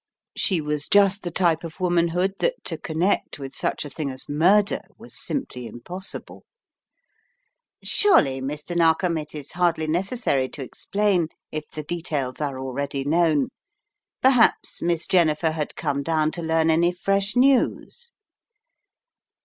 She was just the type of womanhood that to connect with such a thing as murder was simply impossible. "Surely, Mr. Narkom, it is hardly necessary to explain if the details are already known. Perhaps Miss Jennifer had come down to learn any fresh news?"